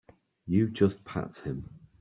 You just pat him.